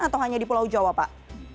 atau hanya di pulau jawa pak